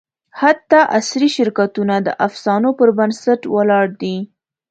حتی عصري شرکتونه د افسانو پر بنسټ ولاړ دي.